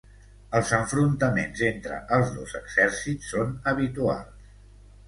Els enfrontaments entre els dos exèrcits són habituals.